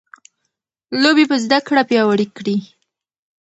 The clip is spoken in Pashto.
لوبې به زده کړه پیاوړې کړي.